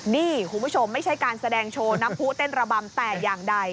นี่คุณผู้ชมไม่ใช่การแสดงโชว์น้ำผู้เต้นระบำแต่อย่างใด